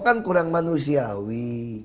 kan kurang manusiawi